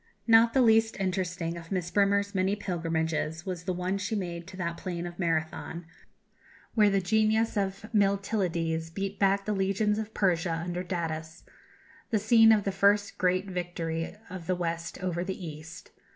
Not the least interesting of Miss Bremer's many pilgrimages was the one she made to that plain of Marathon, where the genius of Miltiades beat back the legions of Persia under Datis the scene of the first great victory of the West over the East.